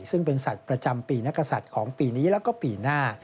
ซึ่งเป็นสัตว์ประจำปีนักศัตริย์ของปีนี้แล้วก็ปีหน้า